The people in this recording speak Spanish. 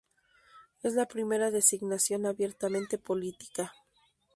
Es la primera designación abiertamente política.